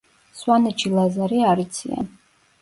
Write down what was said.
სვანეთში ლაზარე არ იციან.